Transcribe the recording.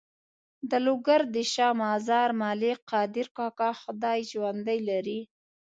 د لوګر د شا مزار ملک قادر کاکا خدای ژوندی لري.